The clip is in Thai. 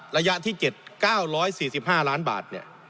ระยะที่๗๙๔๕ล้านบาท